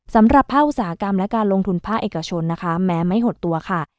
สำหรับภาคอุตสาหกรรมและการลงทุนภาคเอกชนนะคะแม้ไม่หดตัวค่ะ